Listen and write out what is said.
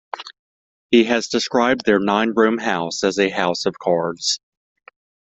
He has described their nine-room house as a house of cards.